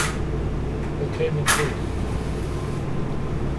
They came in peace.